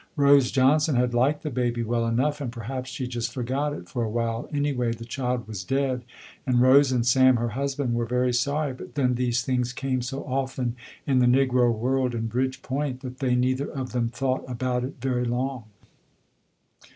Rose Johnson had liked the baby well enough and perhaps she just forgot it for awhile, anyway the child was dead and Rose and Sam her husband were very sorry but then these things came so often in the negro world in Bridgepoint, that they neither of them thought about it very long.